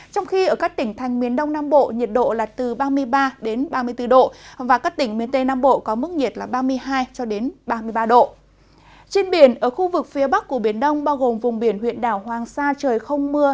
trong khu vực phía bắc của biển đông bao gồm vùng biển huyện đảo hoàng sa trời không mưa